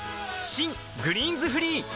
新「グリーンズフリー」